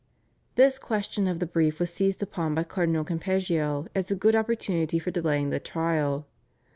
This question of the brief was seized upon by Cardinal Campeggio as a good opportunity for delaying the trial.